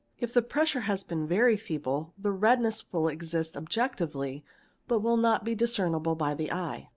If the pressure has been very feeble — the redness will exist objectively but will not be discernible by the : eye.